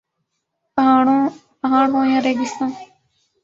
پہاڑ ہوں یا ریگستان